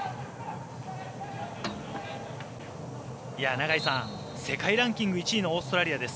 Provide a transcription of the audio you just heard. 永井さん、世界ランキング１位のオーストラリアです。